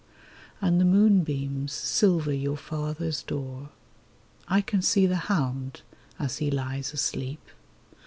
And the moonbeams silver your father's door. I can see the hound as he lies asleep.